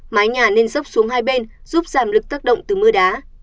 mái nhà nên dốc xuống hai bên giúp giảm lực tác động từ mưa đá